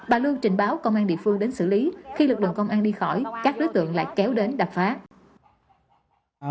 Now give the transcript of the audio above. bà lưu trình báo công an địa phương đến xử lý khi lực lượng công an đi khỏi các đối tượng lại kéo đến đập phá